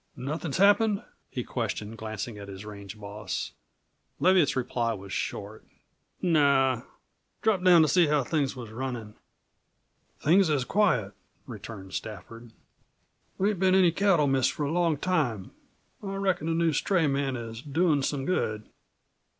"Nothin's happened?" he questioned, glancing at his range boss. Leviatt's reply was short. "No. Dropped down to see how things was runnin'." "Things is quiet," returned Stafford. "There ain't been any cattle missed for a long time. I reckon the new stray man is doin' some good."